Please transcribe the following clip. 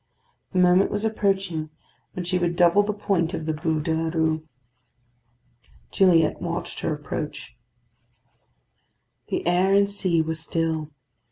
The moment was approaching when she would double the point of the Bû de la Rue. Gilliatt watched her approach. The air and sea were still.